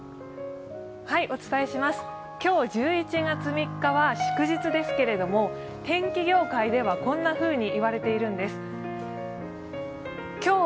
今日余か３日は祝日ですけれども、天気業界では、こんなふうにいわれているんです。